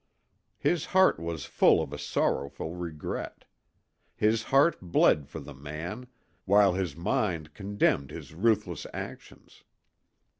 His heart was full of a sorrowful regret. His heart bled for the man, while his mind condemned his ruthless actions.